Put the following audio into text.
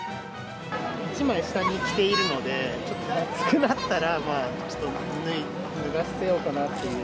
１枚下に着ているので、ちょっと暑くなったら、まあ、ちょっと脱がせようかなという。